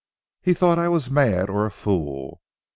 He thought I was mad or a fool.